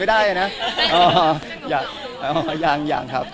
อะไรอย่างเงี้ย